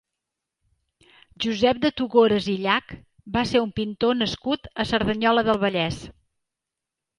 Josep de Togores i Llach va ser un pintor nascut a Cerdanyola del Vallès.